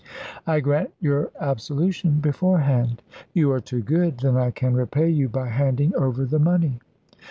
"I grant you absolution beforehand." "You are too good. Then I can repay you by handing over the money."